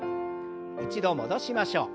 一度戻しましょう。